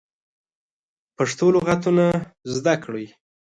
پښتو لغاتونه زده کړی